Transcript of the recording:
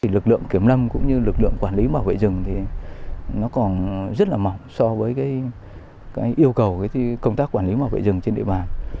lực lượng kiểm lâm cũng như lực lượng quản lý bảo vệ rừng còn rất là mỏng so với yêu cầu công tác quản lý bảo vệ rừng trên địa bàn